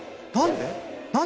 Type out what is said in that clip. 何で！？